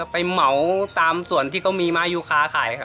เหมาตามส่วนที่เขามีมายูคาขาย